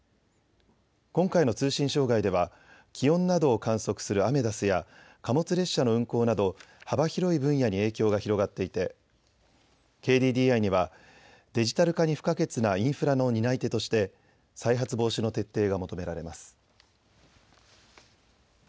今回の通信障害では気温などを観測するアメダスや貨物列車の運行など幅広い分野に影響が広がっていてＫＤＤＩにはデジタル化に不可欠なインフラの担い手として再発防止の徹底が求められます。